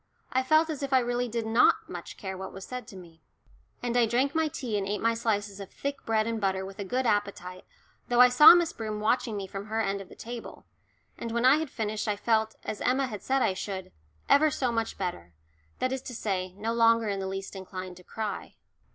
I felt as if I really did not much care what was said to me. And I drank my tea and ate my slices of thick bread and butter with a good appetite, though I saw Miss Broom watching me from her end of the table; and when I had finished I felt, as Emma had said I should, "ever so much better" that is to say, no longer in the least inclined to cry.